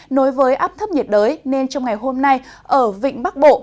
nối với áp thấp nhiệt đới nên trong ngày hôm nay ở vịnh bắc bộ